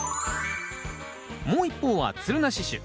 もう一方はつるなし種。